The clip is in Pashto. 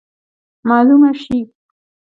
معلومه سي.